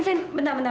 bentar bentar bentar